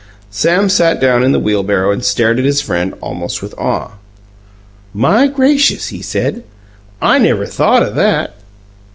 Sam sat down in the wheelbarrow and stared at his friend almost with awe. "My gracious," he said, "I never thought o' that!